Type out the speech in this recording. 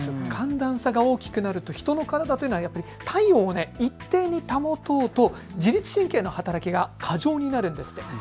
寒暖差が大きくなると人の体というのは体温を一定に保とうと自律神経の働きが過剰になるんです。